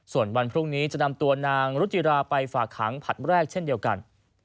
ส่วนวันพรุ่งนี้จะนำตัวนางรุจิราไปฝากขังผลัดแรกเช่นเดียวกัน